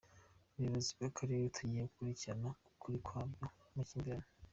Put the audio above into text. Ubuyobozi bw’Akarere bugiye gukurikirana ukuri kw’ayo makimbirane.